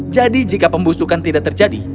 jadi jika pembusukan tidak terjadi